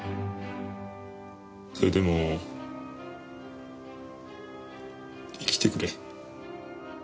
それでも生きてくれ。